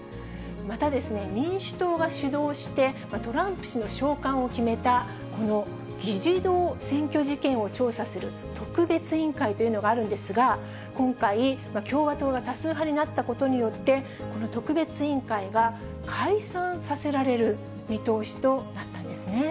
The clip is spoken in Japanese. また、民主党が主導して、トランプ氏の召喚を決めた、この議事堂占拠事件を調査する特別委員会というのがあるんですが、今回、共和党が多数派になったことによって、この特別委員会が解散させられる見通しとなったんですね。